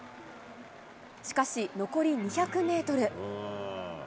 しかし、残り２００メートル。